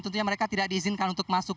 tentunya mereka tidak diizinkan untuk masuk